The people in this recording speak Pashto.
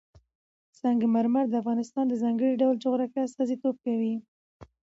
سنگ مرمر د افغانستان د ځانګړي ډول جغرافیه استازیتوب کوي.